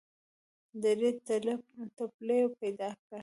ډلې ټپلې پیدا کړې